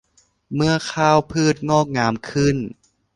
เมื่อข้าวพืชงอกงามขึ้น